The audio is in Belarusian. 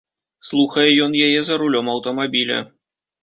Слухае ён яе за рулём аўтамабіля.